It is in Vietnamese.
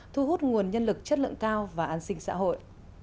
thu hút nguồn nhân lực chất lượng cao và an sinh xã hội